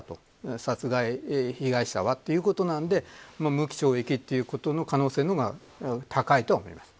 殺害被害者は、ということで無期懲役という可能性が高いと思います。